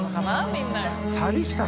みんなが。））